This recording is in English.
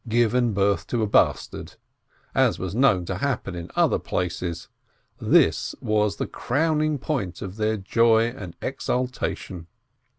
given birth to a bastard, as was known to happen in other places — this was the crowning point of their joy and exultation.